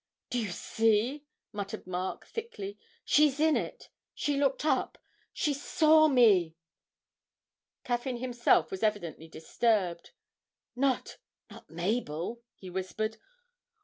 'Do you see?' muttered Mark thickly. 'She's in it; she looked up and saw me!' Caffyn himself was evidently disturbed. 'Not, not Mabel?' he whispered.